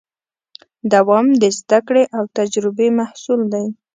دوام د زدهکړې او تجربې محصول دی.